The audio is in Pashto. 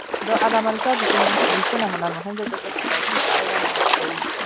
د علامه رشاد لیکنی هنر مهم دی ځکه چې فارسي شاعران معرفي کوي.